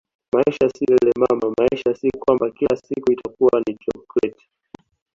Maisha si lele mama maisha si kwamba kila siku itakuwa ni chokoleti